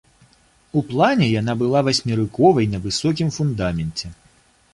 У плане яна была васьмерыковай на высокім фундаменце.